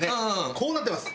こうなってます。